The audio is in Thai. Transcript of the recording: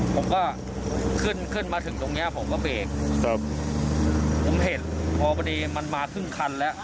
ผมก็ขึ้นขึ้นมาถึงตรงเนี้ยผมก็เบรกครับผมเห็นพอดีมันมาครึ่งคันแล้ว